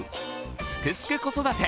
「すくすく子育て」